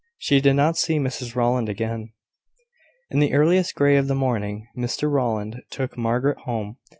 She did not see Mrs Rowland again. In the earliest grey of the morning, Mr Rowland took Margaret home.